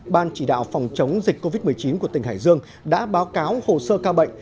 ban chỉ đạo phòng chống dịch covid một mươi chín của tỉnh hải dương đã báo cáo hồ sơ ca bệnh